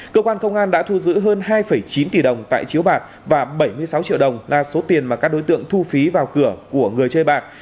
cơ quan công an đã thu giữ hơn hai chín tỷ đồng tại chiếu bạc và bảy mươi sáu triệu đồng là số tiền mà các đối tượng thu phí vào cửa của người chơi bạc